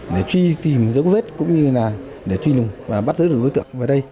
để truy tìm dấu vết cũng như là để truy lùng và bắt giữ được đối tượng về đây